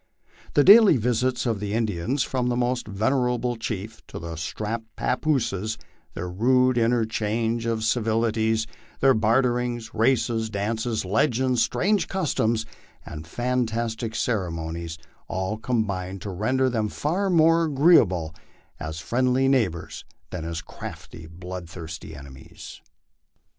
The daily visits of the Indians, from the most venerable chief to the strapped pappoose, their rude interchange of civilities, their barterings, races, dances, legends, strange customs, and fantastic ceremonies, all combine to render them far more agreeable as friendly neighbors than as crafty, blood thirsty enemies.